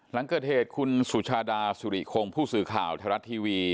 หลังเกิดเหตุคุณสุชาดาสุริคงผู้สื่อข่าวไทยรัฐทีวี